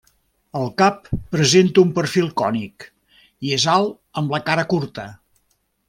El cap presenta un perfil cònic i és alt amb la cara curta.